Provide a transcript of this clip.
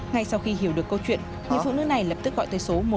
ngay sau khi hiểu được câu chuyện người phụ nữ này lập tức gọi tới số một trăm một